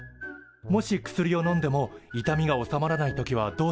もし薬をのんでも痛みが治まらない時はどうすると思う？